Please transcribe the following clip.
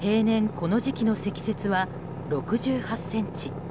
この時期の積雪は６８ｃｍ。